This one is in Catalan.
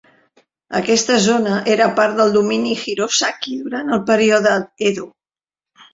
Aquesta zona era part del domini Hirosaki durant el període Edo.